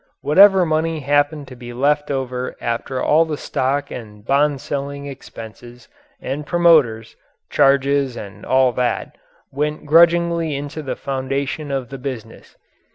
Whatever money happened to be left over after all the stock and bond selling expenses and promoters, charges and all that, went grudgingly into the foundation of the business.